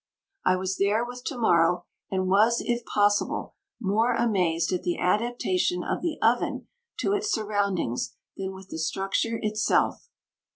I was there with to morrow and was, if possible, more amazed at the adaptation of the "oven" to its surroundings than with the structure itself.